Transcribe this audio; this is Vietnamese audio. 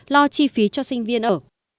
lo chi phí cho sinh viên ở